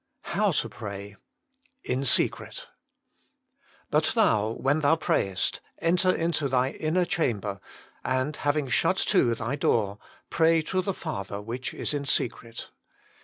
HOW TO PRAY. Jn "But then, when thon prayest, enter into thy inner chamber, and having shut to thy door, pray to the Father which is in secret."